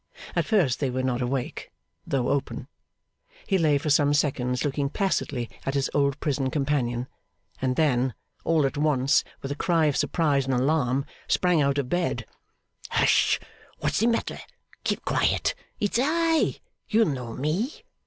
At first they were not awake, though open. He lay for some seconds looking placidly at his old prison companion, and then, all at once, with a cry of surprise and alarm, sprang out of bed. 'Hush! What's the matter? Keep quiet! It's I. You know me?